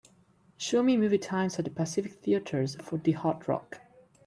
Show me movie times at the Pacific Theatres for The Hot Rock